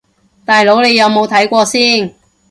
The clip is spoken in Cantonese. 大佬你有冇睇過先